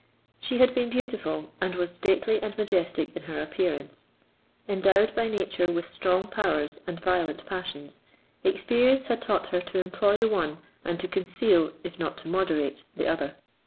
She had been beautiful, and was stately and majestic in her appearance. Endowed by nature with strong powers and violent passions, experience had taught her to employ the one, and to conceal, if not to moderate, the other.